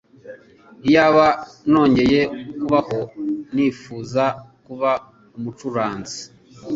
Iyaba nongeye kubaho nifuza kuba umucuranzi